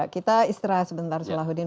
kita istirahat sebentar sulahuddin